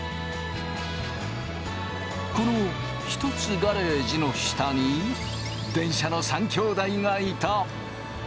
このひとつガレージの下に電車の３きょうだいがいた。